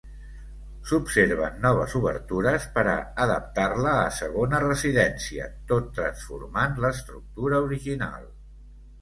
S'observen noves obertures per a adaptar-la a segona residència, tot transformant l'estructura original.